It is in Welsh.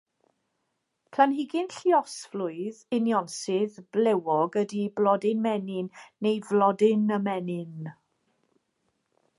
Planhigyn lluosflwydd, unionsyth, blewog ydy blodyn menyn neu flodyn ymenyn.